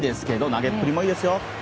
投げっぷりもいいですよ。